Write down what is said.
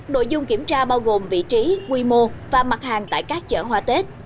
nội dung kiểm tra bao gồm vị trí quy mô và mặt hàng tại các chợ hoa tết